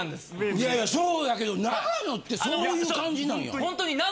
いやいやそうやけど永野ってそういう感じなんや。